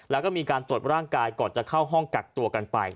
แล้วก็มีการตรวจร่างกายก่อนจะเข้าห้องกักตัวกันไป